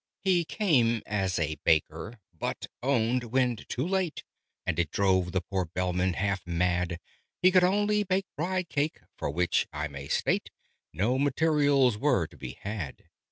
He came as a Baker: but owned, when too late And it drove the poor Bellman half mad He could only bake Bridecake for which, I may state, No materials were to be had.